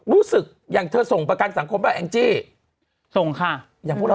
รู้สึกอย่างเธอส่งประกันสังคมบ้างแองจิส่งค่ะ